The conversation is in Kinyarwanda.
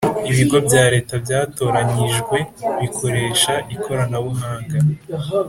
ibigo bya Leta byatoranyijwe bikoresha ikoranabuhanga